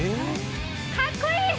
かっこいい！